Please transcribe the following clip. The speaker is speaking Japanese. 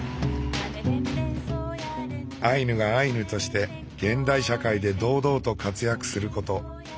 アイヌがアイヌとして現代社会で堂々と活躍すること。